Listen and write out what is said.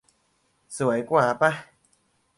สวยกว่าปะ